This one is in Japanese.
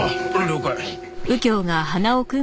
了解。